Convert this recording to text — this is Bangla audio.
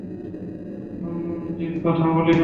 মুন মুন জীর কথা বলি নাই?